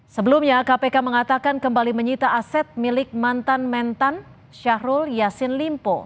sebelumnya kpk mengatakan kembali menyita aset milik mantan mentan syahrul yassin limpo